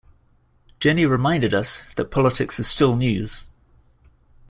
Jenny reminded us that politics is still news.